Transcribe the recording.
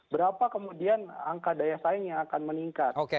berapa kemudian angka daya saing yang akan meningkat